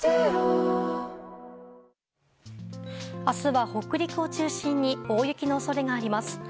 明日は北陸を中心に大雪の恐れがあります。